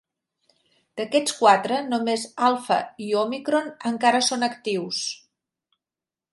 D"aquests quatre, només Alpha i Omicron encara són actius.